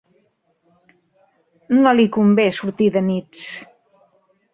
No li convé sortir de nits.